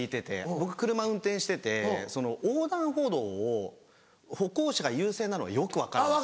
僕車運転してて横断歩道を歩行者が優先なのよく分かるんですよ。